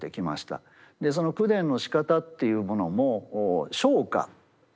でその口伝のしかたっていうものも唱歌ま